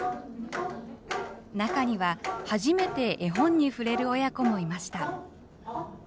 中には初めて絵本に触れる親子もいました。